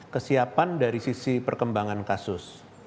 kesiapan dari sisi perkembangan kasus